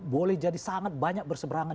boleh jadi sangat banyak berseberangan